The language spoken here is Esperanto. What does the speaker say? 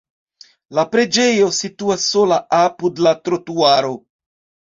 La preĝejo situas sola apud la trotuaro.